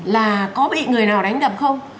là có bị người nào đánh đập không